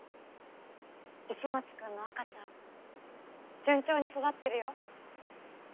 市松君の赤ちゃん順調に育ってるよ。